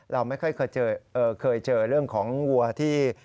เราไม่เคยเจอเรื่องของวัวที่